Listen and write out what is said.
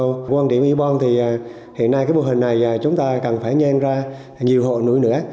với quan điểm y bong thì hiện nay cái bộ hình này chúng ta cần phải nhanh ra nhiều hộ nuôi nữa